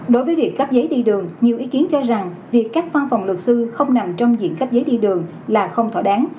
đối với việc cắp giấy đi đường nhiều ý kiến cho rằng việc các phan phòng lực sư không nằm trong diện cắp giấy đi đường là không thỏa đáng